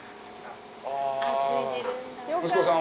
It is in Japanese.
息子さん。